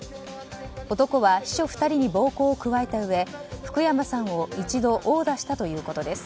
男は秘書２人に暴行を加えたうえ福山さんを一度殴打したということです。